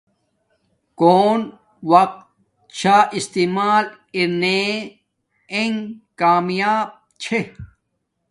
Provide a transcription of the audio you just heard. کون وقت شا استعمال ارنے انگ کامیاب چھے